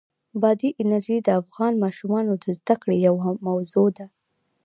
بادي انرژي د افغان ماشومانو د زده کړې یوه موضوع ده.